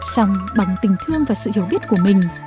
xong bằng tình thương và sự hiểu biết của mình